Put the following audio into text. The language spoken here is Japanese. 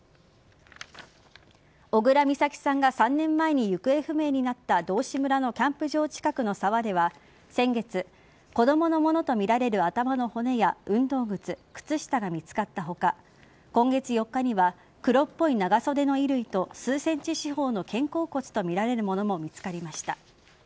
小倉美咲さんが３年前に行方不明になった道志村のキャンプ場近くの沢では先月子供のものとみられる頭の骨や運動靴、靴下が見つかった他今月４日には黒っぽい長袖の衣類と数ｃｍ四方の肩甲骨とみられるものも見つかりました。